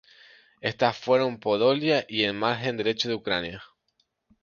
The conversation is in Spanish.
Estas fueron Podolia y el margen derecho de Ucrania.